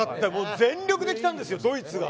全力できたんですよ、ドイツが。